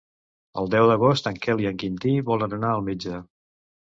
El deu d'agost en Quel i en Quintí volen anar al metge.